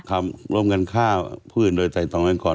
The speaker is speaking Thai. คร่าวร่วมกันฆ่าผู้อื่นโดยสรรค์โดยสรรค์วิสูจน์ไว้ก่อน